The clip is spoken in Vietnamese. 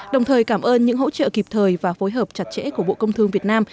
đồng thời cảm ơn những hỗ trợ kịp thời và phối hợp chặt chẽ của bộ công thương việt nam